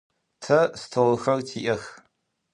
Тэ столхэр тиӏэх.